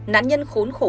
nạn nhân khốn khổ hơn